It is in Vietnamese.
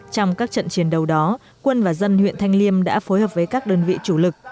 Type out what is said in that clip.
trong các trận chiến đấu đó quân và dân huyện thanh liêm đã phối hợp với các đơn vị chủ lực